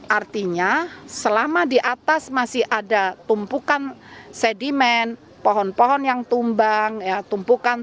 artinya selama di atas masih ada tumpukan sedimen pohon pohon yang tumbang tumpukan